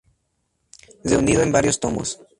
Reunido en varios tomos.